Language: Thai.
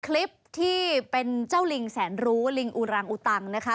คลิปที่เป็นเจ้าลิงแสนรู้ลิงอุรังอุตังนะคะ